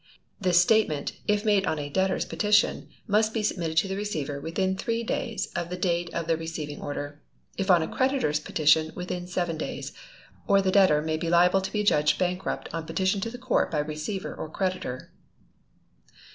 This statement, if made on a debtor's petition, must be submitted to the Receiver within three days of the date of the receiving order; if on a creditor's petition, within seven days; or the debtor will be liable to be adjudged bankrupt on petition to the Court by Receiver or creditor.